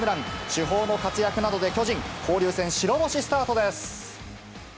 主砲の活躍などで、巨人、交流戦、白星スタートです。